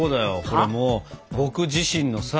これもう僕自身のさ